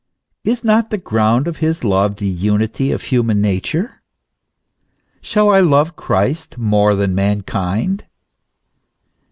Is not the ground of his love the unity of human nature? Shall I love Christ more than mankind?